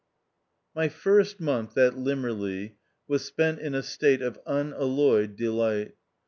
My first month at Limmerleigh was spent in a state of unalloyed delight.